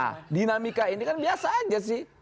nah dinamika ini kan biasa aja sih